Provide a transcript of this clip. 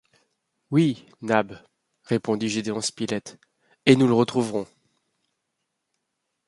Oui, Nab, répondit Gédéon Spilett, et nous le retrouverons!